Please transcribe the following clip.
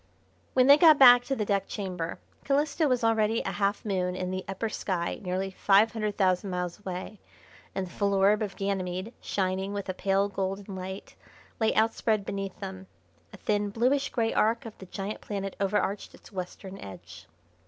When they got back to the deck chamber Calisto was already a half moon in the upper sky nearly five hundred thousand miles away, and the full orb of Ganymede, shining with a pale golden light, lay outspread beneath them. A thin, bluish grey arc of the giant planet overarched its western edge.